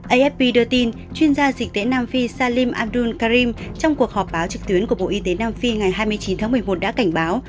afp đưa tin chuyên gia dịch tễ nam phi salim amdul karim trong cuộc họp báo trực tuyến của bộ y tế nam phi ngày hai mươi chín tháng một mươi một đã cảnh báo